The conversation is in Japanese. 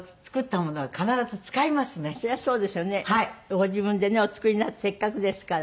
ご自分でねお作りになってせっかくですから。